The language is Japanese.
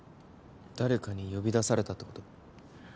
誰かに呼び出されたってこと？